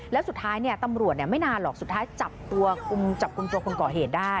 แล้วสุดท้ายตำรวจไม่นานหรอกสุดท้ายจับกลุ่มตัวคนก่อเหตุได้